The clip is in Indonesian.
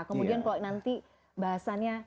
kemudian kalau nanti bahasannya